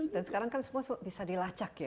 dan sekarang kan semua bisa dilacak ya